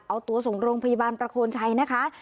เอาตัวส่งโรงพยาบาลประโคนชัยนะคะ